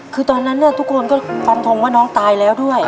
คือตอนนั้นทุกคนก็ฟันทงว่าน้องตายแล้วด้วย